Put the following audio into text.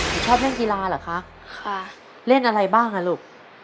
ลูกชอบเล่นกีราเหรอคะเล่นอะไรบ้างน่ะลูก